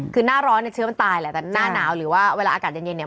คือหน้าร้อนเนี่ยเชื้อมันตายแหละแต่หน้าหนาวหรือว่าเวลาอากาศเย็นเย็นเนี่ย